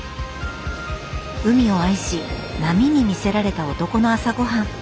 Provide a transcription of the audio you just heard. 海を愛し波に魅せられた男の朝ごはん。